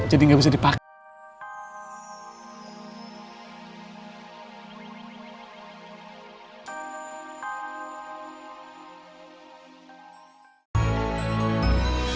jadi nggak bisa dipakai